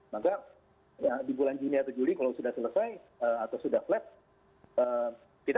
maka di bulan juni atau juli kalau sudah selesai atau sudah flat